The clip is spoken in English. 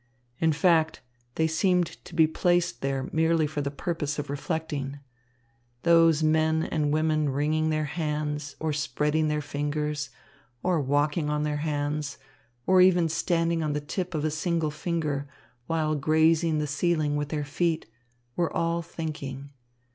In fact, they seemed to be placed there merely for the purpose of reflecting. Those men and women wringing their hands or spreading their fingers, or walking on their hands, or even standing on the tip of a single finger, while grazing the ceiling with their feet, were all thinking.